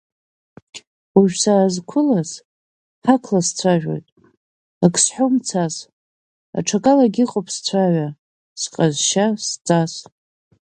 Уажә саазқәылаз, ҳақла сцәажәоит, ак сҳәом цас, аҽакалагь иҟоуп сцәаҩа, сҟазшьа сҵас.